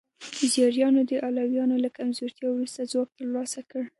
زیاریانو د علویانو له کمزورتیا وروسته ځواک ترلاسه کړ.